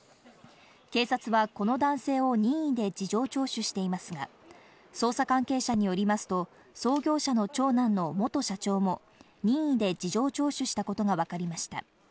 警察は、この男性を任意で事情聴取していますが、捜査関係者によりますと創業者の長男の元社長も任意で事情聴取したことがわかりました。